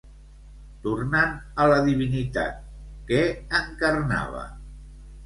Tornant a la divinitat, què encarnava?